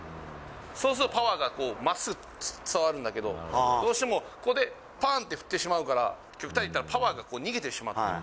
そうするとパワーが、こうまっすぐ伝わるんだけど、どうしてもここでぱーんって振ってしまうから、パワーが逃げてしまってる。